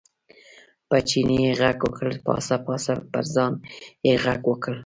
په چیني یې غږ وکړ، پاڅه پاڅه، پر ځان یې غږ وکړ.